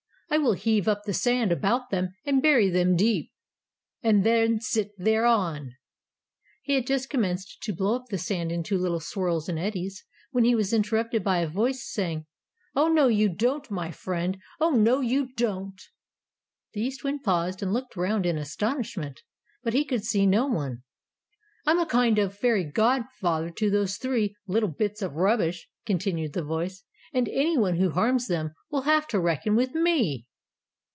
I will heave up the sand about them and bury them deep and then sit thereon!" He had just commenced to blow up the sand into little swirls and eddies, when he was interrupted by a voice saying "Oh, no you don't, my friend! Oh, no you don't!" The East Wind paused, and looked round in astonishment. But he could see no one. "I am a kind of fairy god father to those three 'little bits of rubbish,'" continued the voice, "and anyone who harms them will have to reckon with me!"